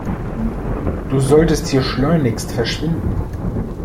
Du solltest hier schleunigst verschwinden.